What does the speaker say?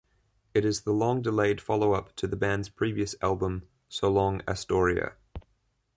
It is the long-delayed follow-up to the band's previous album "So Long, Astoria".